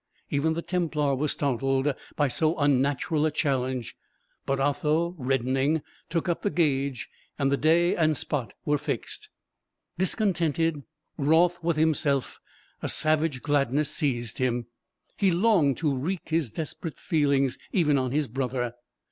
Even the Templar was startled by so unnatural a challenge; but Otho, reddening, took up the gage, and the day and spot were fixed. Discontented, wroth with himself, a savage gladness seised him; he longed to wreak his desperate feelings even on his brother.